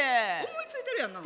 思いついてるやんな？